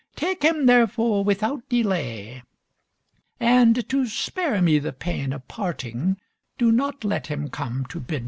Take him, therefore, without delay, and to spare me the pain of parting do not let him come to bid me farewell."